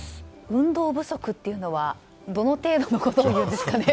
運動不足っていうのはどの程度のことを言うんですかね。